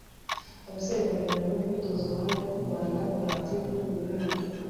Abasore babiri barimo kwitoza ubuhanga bwo kurwana ku matiku y'ubururu n'umutuku